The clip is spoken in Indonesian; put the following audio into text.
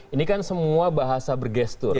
ini kan semua bahasa bergestur